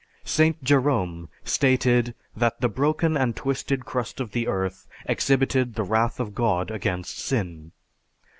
St. Jerome stated that the broken and twisted crust of the earth exhibited the wrath of God against sin.